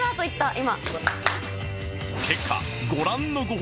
今。